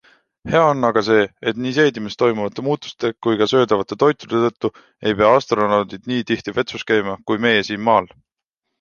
Hea on aga see, et nii seedimises toimuvate muutuste kui ka söödavate toitude tõttu ei pea astronaudid nii tihti vetsus käima kui meie siin Maal.